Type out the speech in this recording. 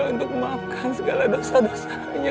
untuk memakan segala dosa dosanya